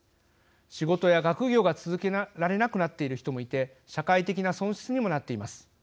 仕事や学業が続けられなくなっている人もいて社会的な損失にもなっています。